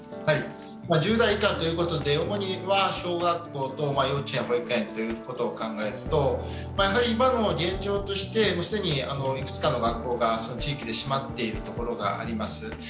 １０代以下ということで、主には小学校と幼稚園・保育園ということを考えるとやはり今の現状として、既にいくつかの学校が地域で閉まっているところがあります。